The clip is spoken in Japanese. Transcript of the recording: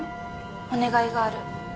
お願いがある。